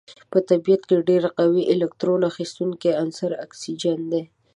په طبیعت کې ډیر قوي الکترون اخیستونکی عنصر اکسیجن دی.